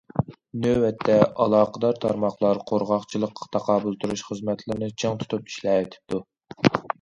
نۆۋەتتە، ئالاقىدار تارماقلار قۇرغاقچىلىققا تاقابىل تۇرۇش خىزمەتلىرىنى چىڭ تۇتۇپ ئىشلەۋېتىپتۇ.